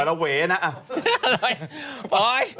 อ่ะเอาเลยปล่อย